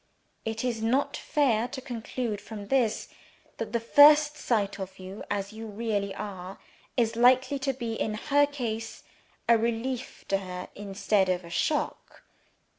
Is it not fair to conclude from this, that the first sight of you as you really are, is likely to be, in her case, a relief to her instead of a shock?